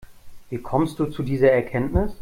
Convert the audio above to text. Wie kommst du zu dieser Erkenntnis?